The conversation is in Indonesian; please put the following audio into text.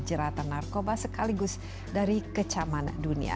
jeratan narkoba sekaligus dari kecaman dunia